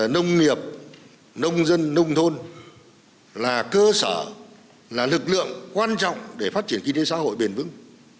nông nghiệp nông dân nông thôn là cơ sở là lực lượng quan trọng để phát triển kinh tế xã hội bền vững